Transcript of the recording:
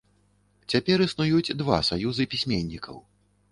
Цяпер існуюць два саюзы пісьменнікаў.